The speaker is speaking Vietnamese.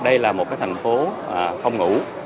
đây là một cái thành phố không ngủ